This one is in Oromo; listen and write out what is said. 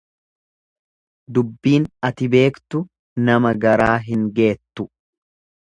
Dubbiin ati beektu nama garaa hin geettu.